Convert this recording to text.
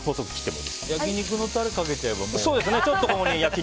これで焼き肉のタレをかけちゃえばもうね。